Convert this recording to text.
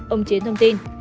ông chiến thông tin